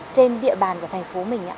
trên địa bàn của thành phố mình